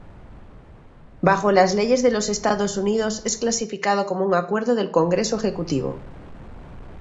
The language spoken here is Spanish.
Bajo las leyes de los Estados Unidos es clasificado como un acuerdo del Congreso-Ejecutivo.